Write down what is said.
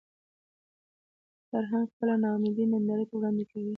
فرهنګ خپله ناامیدي نندارې ته وړاندې کوي